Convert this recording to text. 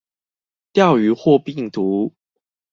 釣魚或病毒